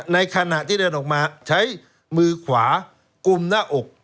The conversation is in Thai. ในขณะที่เดินออกมาใช้มือขวากุมหน้าอก